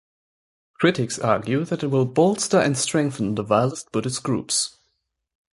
Critics argue that it will bolster and strengthen the violent Buddhist groups.